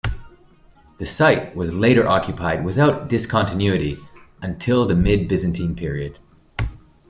The site was later occupied without discontinuity until the mid Byzantine period.